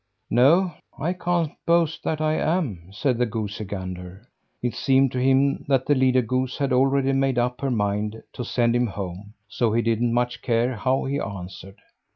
"No, I can't boast that I am," said the goosey gander. It seemed to him that the leader goose had already made up her mind to send him home, so he didn't much care how he answered.